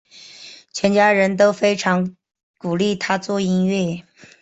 全家人都非常鼓励他做音乐。